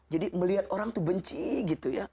jadi melihat orang itu benci gitu ya